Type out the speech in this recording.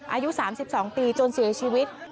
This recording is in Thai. อายุ๓๒ปีจนเสียชีวิต